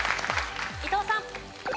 伊藤さん。